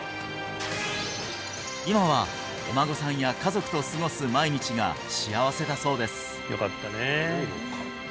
今はお孫さんや家族と過ごす毎日が幸せだそうです